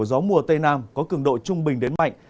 gió mùa tây nam có cường độ trung bình đến mạnh